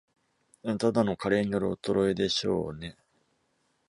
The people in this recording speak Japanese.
ただの加齢による衰えでしょうね